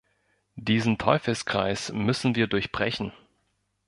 Diesen Teufelskreis müssen wir durchbrechen.